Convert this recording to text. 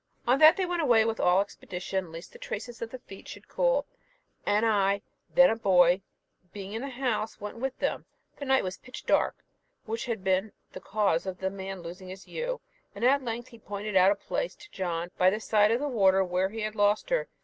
On that they went away with all expedition, lest the traces of the feet should cool; and I, then a boy, being in the house, went with them. The night was pitch dark, which had been the cause of the man losing his ewe, and at length he pointed out a place to John by the side of the water where he had lost her.